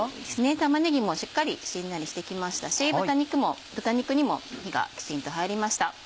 玉ねぎもしっかりしんなりしてきましたし豚肉にも火がきちんと入りました。